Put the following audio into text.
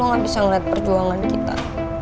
gak bisa ngeliat perjuangan kita